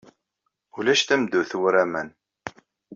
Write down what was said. Ulac tameddurt war aman.